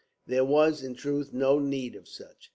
There was, in truth, no need of such.